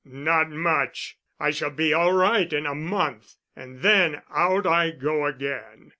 Not much! I shall be all right in a month, and then out I go again."